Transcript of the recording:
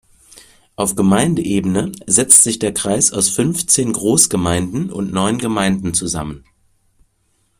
Auf Gemeindeebene setzt sich der Kreis aus fünfzehn Großgemeinden und neun Gemeinden zusammen.